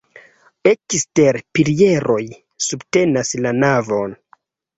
Ekstere pilieroj subtenas la navon.